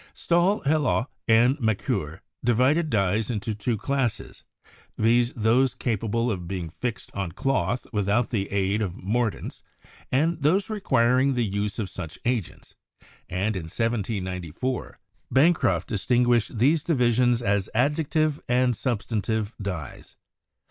Stahl, Hellot and Macquer divided dyes into two classes, viz., those capable of being fixed on cloth without the aid of mordants, and those requiring the use of such agents, and in 1794, Bancroft distinguished these divisions as adjective and substantive dyes.